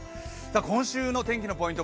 今週の天気のポイント